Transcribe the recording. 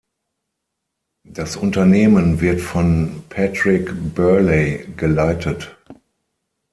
Das Unternehmen wird von Patrick Birley geleitet.